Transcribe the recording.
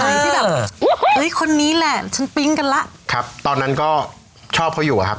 อืมตอนไหนที่แบบเอ้ยคนนี้แหละฉันปริ้งกันล่ะครับตอนนั้นก็ชอบเขาอยู่อะครับ